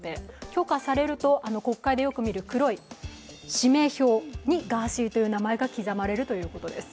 許可されると、国会でよく見る黒い氏名票にガーシーという名前が刻まれるということです。